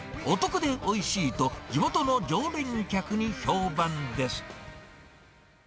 お得でおいしいと、地元の常連客に評判です。